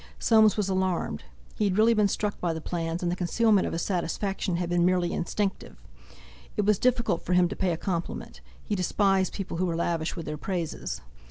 Soames was alarmed. He had really been struck by the plans, and the concealment of his satisfaction had been merely instinctive. It was difficult for him to pay a compliment. He despised people who were lavish with their praises.